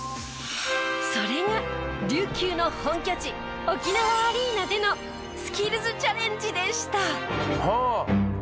それが琉球の本拠地沖縄アリーナでのスキルズチャレンジでした。